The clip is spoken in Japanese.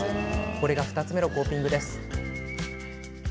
これが２つ目のコーピング。